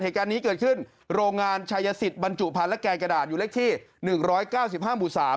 เหตุการณ์นี้เกิดขึ้นโรงงานชายสิทธิบรรจุภัณฑ์และแกงกระดาษอยู่เลขที่๑๙๕หมู่๓